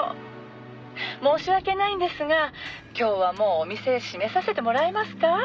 「申し訳ないんですが今日はもうお店閉めさせてもらえますか？」